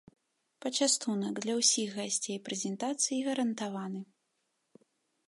Пачастунак для ўсіх гасцей прэзентацыі гарантаваны.